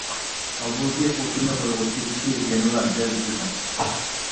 ھالبۇكى ئوتۇننى قويغۇچى كىشى يەنىلا دەل ئۆزۈڭ.